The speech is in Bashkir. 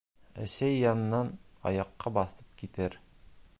Әсәй яңынан аяҡҡа баҫып китер.